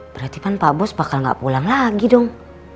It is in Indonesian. berarti kan pak bos bakal gak pulang lagi dong